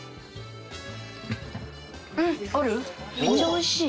めっちゃ美味しい！